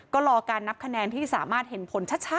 ก็รอการนับคะแนนที่สามารถเห็นผลชัด